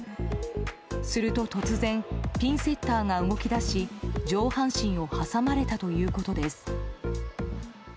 すると突然ピンセッターが動き出し上半身を挟まれたということです。